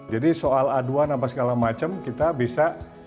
jadi soal aduan apa segala macam kita bisa